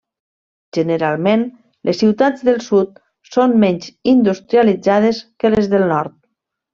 Generalment, les ciutats del sud són menys industrialitzades que les del nord.